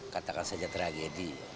katakan saja tragedi